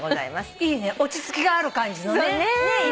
いいね落ち着きがある感じのね。